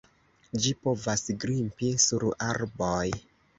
Ĝi povas grimpi sur arboj.